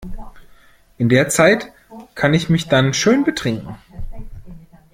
In der Zeit kann ich mich dann schön betrinken.